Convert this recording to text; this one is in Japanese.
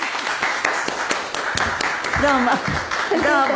どうも。